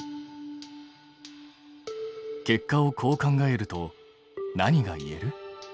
結果をこう考えると何が言える？